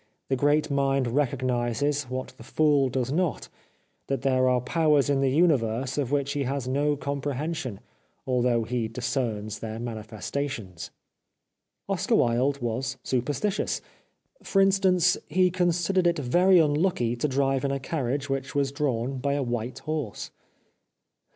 The great mind recognises, what the fool does not, that there are powers in the universe of which he has no comprehension, although he discerns their manifestations. Oscar Wilde was superstitious. For instance, he con sidered it very unlucky to drive in a carriage which was drawn by a white horse.